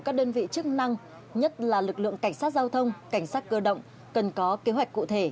các đơn vị chức năng nhất là lực lượng cảnh sát giao thông cảnh sát cơ động cần có kế hoạch cụ thể